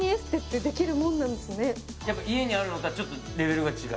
やっぱ家にあるのとはちょっとレベルが違う？